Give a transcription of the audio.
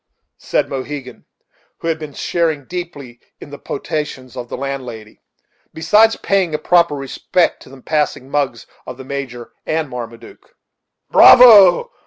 said Mohegan, who had been sharing deeply in the potations of the landlady, besides paying a proper respect to the passing mugs of the Major and Marmaduke. "Bravo!